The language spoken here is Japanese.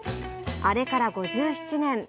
あれから５７年。